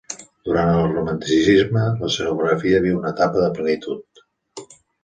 Durant el romanticisme, l'escenografia viu una etapa de plenitud.